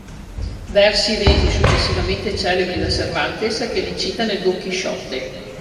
Versi resi successivamente celebri da Cervantes che li cita nel "Don Chisciotte".